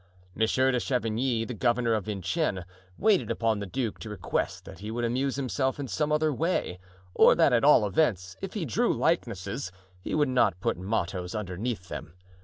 Monsieur de Chavigny, the governor of Vincennes, waited upon the duke to request that he would amuse himself in some other way, or that at all events, if he drew likenesses, he would not put mottoes underneath them.